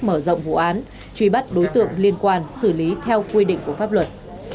mở rộng vụ án truy bắt đối tượng liên quan xử lý theo quy định của pháp luật